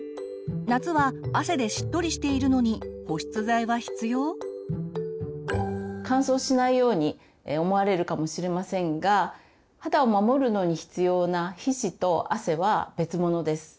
夏は乾燥しないように思われるかもしれませんが肌を守るのに必要な皮脂と汗は別物です。